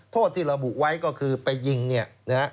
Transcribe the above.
โทษที่ระบุไว้ก็คือไปยิงเนี่ยนะฮะ